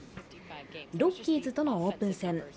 ロッキーズとのオープン戦。